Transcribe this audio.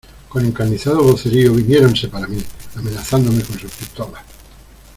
con encarnizado vocerío viniéronse para mí, amenazándome con sus pistolas.